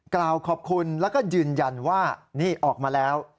กล่าวขอบคุณแล้วก็ยืนยันว่านี่ออกมาแล้ว